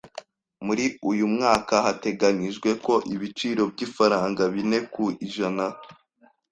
Muri uyu mwaka hateganijwe ko ibiciro by’ifaranga bine ku ijana.